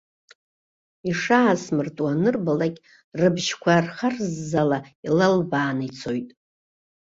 Ишаасмыртуа анырбалак, рыбжьқәа рхарззала илалбааны ицоит.